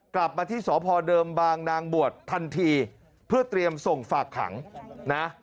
กลับมาที่สพเดิมบางนางบวชทันทีเพื่อเตรียมส่งฝากขังนะ